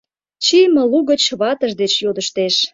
Чийыме лугыч ватыж деч йодыштеш: